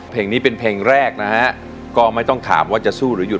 เพลงนี้เป็นเพลงแรกนะฮะก็ไม่ต้องถามว่าจะสู้หรือหุ